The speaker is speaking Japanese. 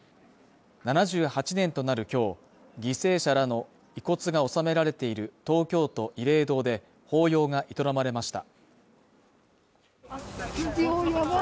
７８年となる今日、犠牲者らの遺骨が納められている東京都慰霊堂で法要が営まれました。